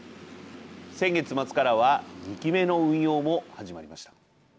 先月末からは２機目の運用も始まりました。